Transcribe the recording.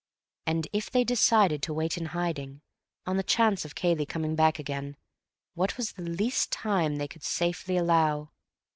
And if they decided to wait in hiding, on the chance of Cayley coming back again, what was the least time they could safely allow?